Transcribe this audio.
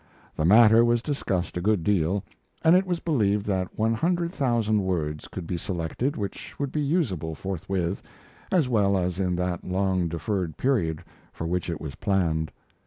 The matter was discussed a good deal, and it was believed that one hundred thousand words could be selected which would be usable forthwith, as well as in that long deferred period for which it was planned.